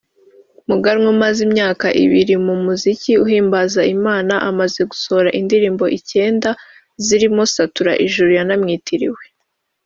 Muganwa umaze imyaka ibiri mu muziki uhimbaza Imana amaze gusohora indirimbo icyenda zirimo “Satura Ijuru” yanamwitiriwe